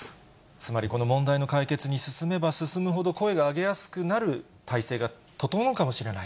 つまり、この問題の解決に進めば進むほど、声が上げやすくなる体制が整うかもしれない。